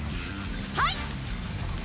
はい！